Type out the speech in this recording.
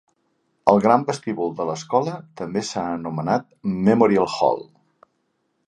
El gran vestíbul de l'escola també s'ha anomenat Memorial Hall.